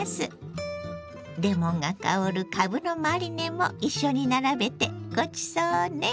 レモンが香るかぶのマリネも一緒に並べてごちそうね。